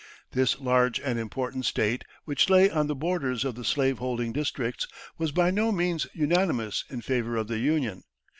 This large and important State, which lay on the borders of the slave holding districts, was by no means unanimous in favour of the Union.